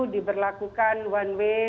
diberlakukan one way